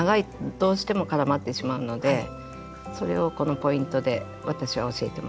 どうしても絡まってしまうのでそれをこのポイントで私は教えてます。